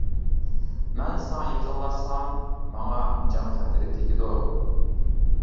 مەن ساڭا يېقىنلاشسام، ماڭا جان خەتىرى تېگىدۇ.